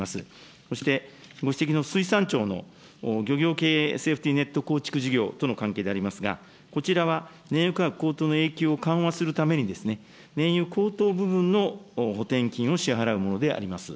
そして、ご指摘の水産庁の漁業経営セーフティーネット構築事業との関係でありますが、こちらは燃油価格高騰の影響から緩和するために、燃油高騰部分の補填金を支払うものであります。